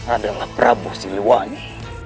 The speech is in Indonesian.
adalah prabu silwani